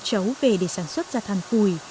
chấu về để sản xuất ra than phùi